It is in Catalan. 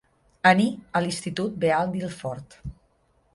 Aní a l'Institut Beal d'Ilford.